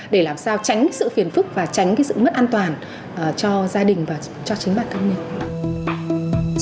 để làm sao tránh sự phiền phức và tránh cái sự mất an toàn cho gia đình và cho chính bản thân mình